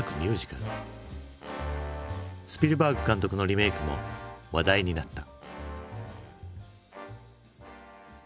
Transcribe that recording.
スピルバーグ監督のリメークも話題になった。